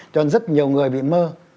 cho nên rất nhiều người bị mơ